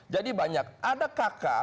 jadi banyak ada kakak